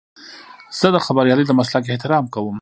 زه د خبریالۍ د مسلک احترام کوم.